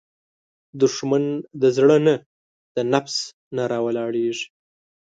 دښمن د زړه نه، د نفس نه راولاړیږي